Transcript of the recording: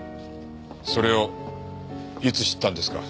それをいつ知ったんですか？